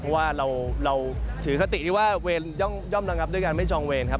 เพราะว่าเราถือคติที่ว่าเวรย่อมระงับด้วยการไม่จองเวรครับ